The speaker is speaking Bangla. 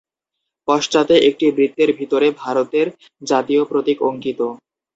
পশ্চাতে একটি বৃত্তের ভিতরে ভারতের জাতীয় প্রতীক অঙ্কিত।